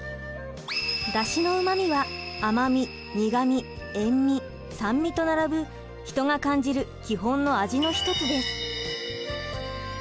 だしのうまみは甘味苦味塩味酸味と並ぶ人が感じる基本の味の一つです。